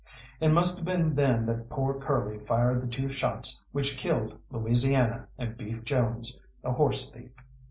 It must have been then that poor Curly fired the two shots which killed Louisiana and Beef Jones, the horse thief.